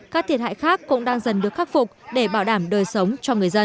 các thiệt hại khác cũng đang dần được khắc phục để bảo đảm đời sống cho người dân